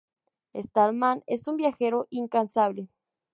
Stallman es un viajero incansable.